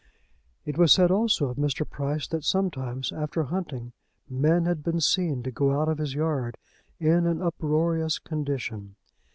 It was said also of Mr. Price that sometimes, after hunting, men had been seen to go out of his yard in an uproarious condition.